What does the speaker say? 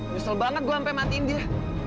nyesel banget gue sampai matiin dia